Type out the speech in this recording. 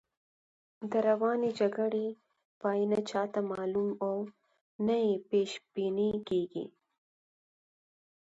د روانې جګړې پای نه چاته معلوم او نه یې پیش بیني کېږي.